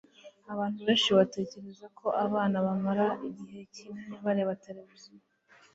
abantu benshi batekereza ko abana bamara igihe kinini bareba tv